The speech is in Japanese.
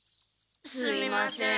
すみません。